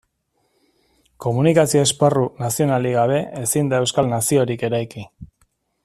Komunikazio esparru nazionalik gabe, ezin da euskal naziorik eraiki.